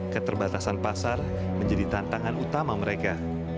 keterbatasan pasar menjadi tantangan utama mereka